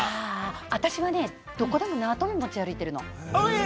私はね、どこでも縄跳び持ち歩いてるの。